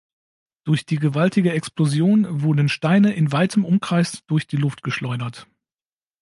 Durch die gewaltige Explosion wurden Steine in weitem Umkreis durch die Luft geschleudert.